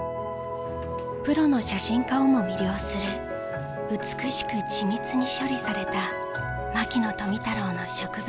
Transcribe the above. プロの写真家をも魅了する美しく緻密に処理された牧野富太郎の植物